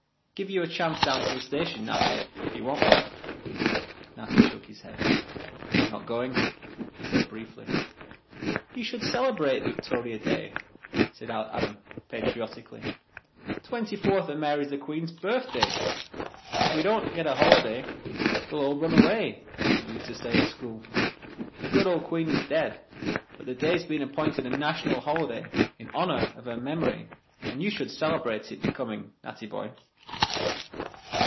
Give you a chance down to the station, Natty, if you want one." Natty shook his head. "Not going," he said briefly. "You should celebrate Victoria Day," said Adam, patriotically. "'Twenty fourth o' May's the Queen's birthday, Ef we don't get a holiday we'll all run away,' as we used to say at school. The good old Queen is dead, but the day's been app'inted a national holiday in honour of her memory and you should celebrate it becoming, Natty boy."